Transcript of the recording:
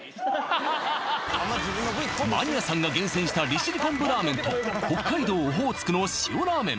マニアさんが厳選した利尻昆布ラーメンと北海道オホーツクの塩ラーメン